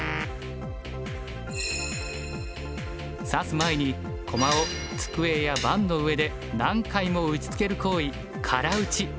指す前に駒を机や盤の上で何回も打ちつける行為空打ち。